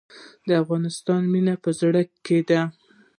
د افغانستان مینه په زړه کې ده